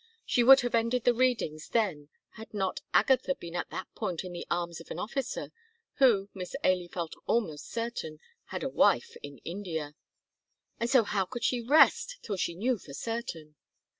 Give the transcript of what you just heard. She would have ended the readings then had not Agatha been at that point in the arms of an officer who, Miss Ailie felt almost certain, had a wife in India, and so how could she rest till she knew for certain?